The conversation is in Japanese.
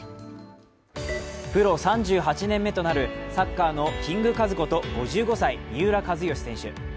プロ３８年目となるサッカーのキングカズこと５５歳、三浦知良選手。